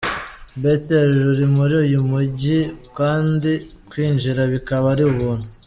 Bethel ruri muri uyu mujyi kandi kwinjira bikaba ari ubuntu.